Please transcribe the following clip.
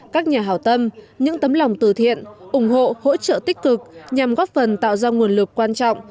các nhà hào tâm những tấm lòng từ thiện ủng hộ hỗ trợ tích cực nhằm góp phần tạo ra nguồn lực quan trọng